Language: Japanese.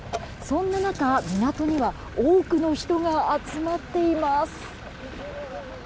そんな中、港には多くの人が集まっています。